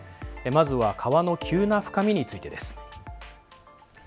まずは川の急な深みについてです。